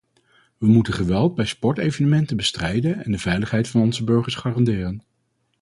We moeten geweld bij sportevenementen bestrijden en de veiligheid van onze burgers garanderen.